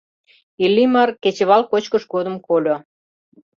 Иллимар кечывал кочкыш годым кольо: